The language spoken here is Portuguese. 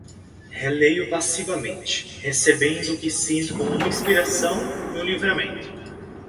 Releio passivamente, recebendo o que sinto como uma inspiração e um livramento